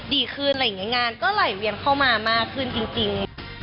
ดีขึ้นงานก็ไหลเวียนเข้ามามากขึ้นจริง